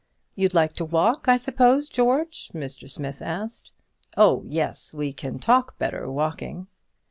"You'd like to walk, I suppose, George?" Mr. Smith asked. "Oh, yes; we can talk better walking."